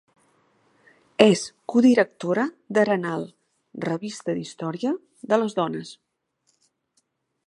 És codirectora d'Arenal, Revista d'Història de les Dones.